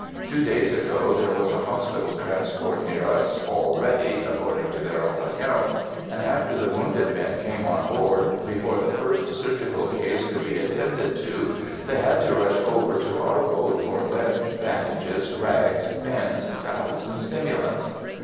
Two days ago there was a hospital transport near us, "all ready," according to their own account, and after the wounded men came on board, before the first surgical case could be attended to, they had to rush over to our boat for lint, bandages, rags, pins, towels, and stimulants.